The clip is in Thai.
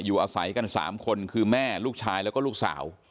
อยู่อาศัยกัน๓คนคือแม่ลูกชายแล้วก็ลูกสาว